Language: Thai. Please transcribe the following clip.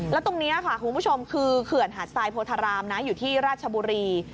แล้วตรงนี้ค่ะคุณผู้ชมคือเขื่อนหาดทรายโพธารามนะอยู่ที่ราชบุรี